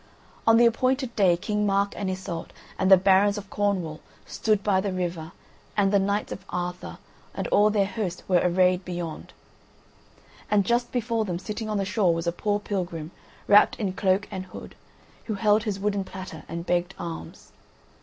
On the appointed day King Mark and Iseult, and the barons of Cornwall, stood by the river; and the knights of Arthur and all their host were arrayed beyond. And just before them, sitting on the shore, was a poor pilgrim, wrapped in cloak and hood, who held his wooden platter and begged alms.